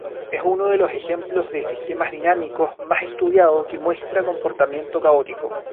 Es uno de los ejemplos de sistemas dinámicos más estudiado que muestra comportamiento caótico.